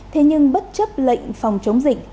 thế nhưng bất chấp lệnh phòng chống dịch